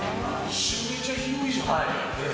めちゃめちゃ広いじゃん。